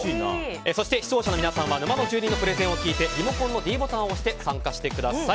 そして、視聴者の皆さんは沼の住人のプレゼンを聞いてリモコンのｄボタンを押して参加してください。